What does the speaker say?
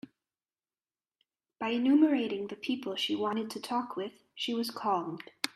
By enumerating the people she wanted to talk with, she was calmed.